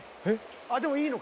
あっでもいいのか。